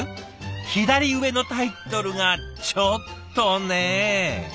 左上のタイトルがちょっとね。